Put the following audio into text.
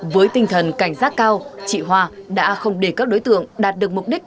với tinh thần cảnh giác cao chị hoa đã không để các đối tượng đạt được mục đích